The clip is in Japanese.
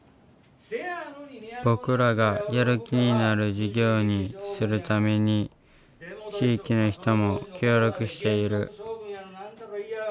僕らがやる気になる授業にするために地域の人も協力している。